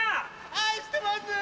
愛してます！